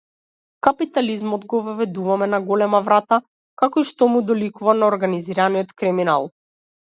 Капитализмот го воведуваме на голема врата, како и што му доликува на организираниот криминал.